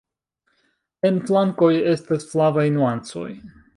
En flankoj estas flavaj nuancoj.